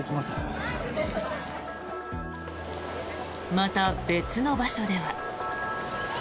また、別の場所では。